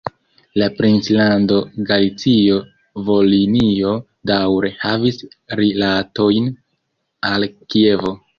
La princlando Galicio-Volinio daŭre havis rilatojn al Kievo.